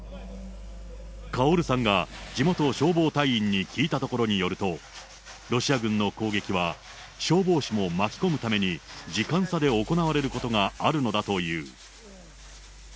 カオルさんが地元消防隊員に聞いたところによると、ロシア軍の攻撃は、消防士も巻き込むために、時間差で行われることがあるのだという。